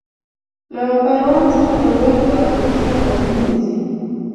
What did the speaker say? له پروان څخه لوګر ته، وروسته غزني ته ځي.